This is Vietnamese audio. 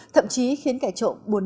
thậm chí khiến kẻ trộm buồn mất